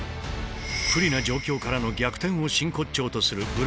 不利な状況からの逆転を真骨頂とするブラジリアン柔術。